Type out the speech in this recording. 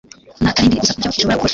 nta karimbi gusa kubyo ishobora gukora